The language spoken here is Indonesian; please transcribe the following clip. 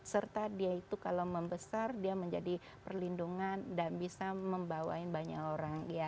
serta dia itu kalau membesar dia menjadi perlindungan dan bisa membawain banyak orang